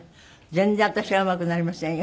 全然私はうまくなりませんよ。